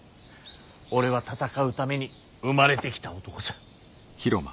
俺は戦うために生まれてきた男さ。